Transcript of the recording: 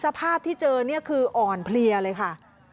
สภาพที่เจอนี่คืออ่อนเพลียเลยค่ะ